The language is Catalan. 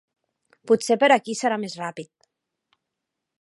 Potser per aquí serà més ràpid.